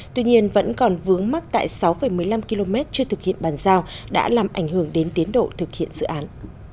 tuy nhiên vẫn còn vướng mắc tại sáu một mươi năm km chưa thực hiện bàn giao đã làm ảnh hưởng đến tiến độ thực hiện dự án